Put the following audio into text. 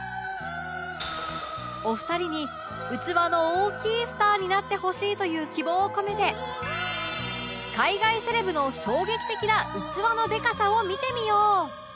お二人に器の大きいスターになってほしいという希望を込めて海外セレブの衝撃的な器のでかさを見てみよう